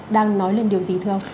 đang nói lên điều gì thưa ông